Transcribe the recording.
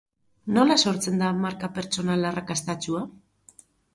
Nola sortzen da marka pertsonal arrakastatsua?